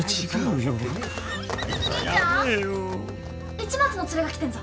市松のツレが来てんぞ。